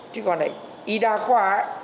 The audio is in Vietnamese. chứ còn lại y đa khoa